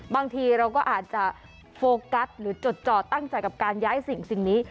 บางทีเราก็อาจจะโฟกัสหรือจดจ่อตั้งใจกับการย้ายสิ่งนี้